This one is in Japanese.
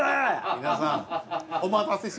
皆さん。